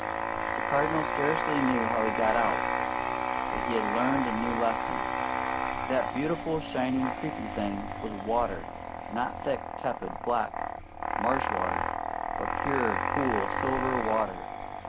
The Cardinal scarcely knew how he got out, but he had learned a new lesson. That beautiful, shining, creeping thing was water; not thick, tepid, black marsh water, but pure, cool, silver water.